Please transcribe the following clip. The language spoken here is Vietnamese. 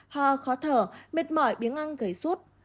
hò khó thở mệt mỏi biến ngăn gầy sốt